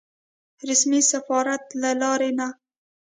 رسمي سفارت له لارې نه.